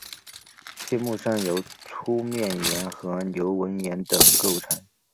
天目山由粗面岩和流纹岩等构成。